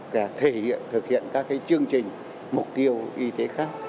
cả thể hiện thực hiện các cái chương trình mục tiêu y tế khác